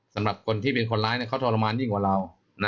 สำหรับคนที่เป็นคนร้ายเขาทรมานยิ่งกว่าเรา